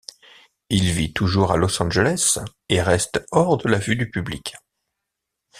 Il vit toujours à Los Angeles et reste hors de la vue du public.